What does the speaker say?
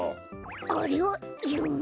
あれはゆめ？